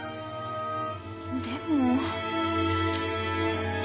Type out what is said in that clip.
でも。